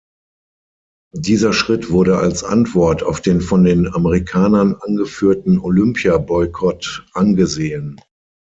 Dieser Schritt wurde als Antwort auf den von den Amerikanern angeführten Olympiaboykott angesehen.